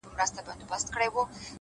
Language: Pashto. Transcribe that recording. چي ورته سر ټيټ كړمه ـ وژاړمه ـ